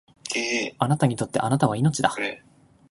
僕にとって貴方は命だ